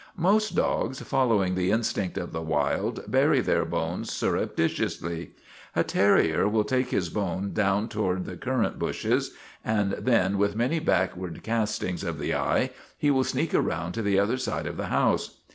Most dogs, following the in stinct of the wild, bury their bones surreptitiously. A terrier will take his bone down toward the cur rant bushes, and then, with many backward castings of the eye, he will sneak around to the other side of the house.